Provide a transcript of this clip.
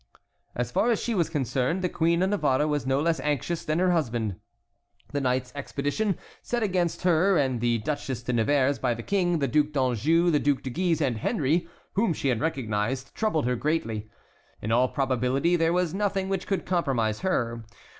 As far as she was concerned, the Queen of Navarre was no less anxious than her husband. The night's expedition sent against her and the Duchesse de Nevers by the King, the Duc d'Anjou, the Duc de Guise, and Henry, whom she had recognized, troubled her greatly. In all probability there was nothing which could compromise her.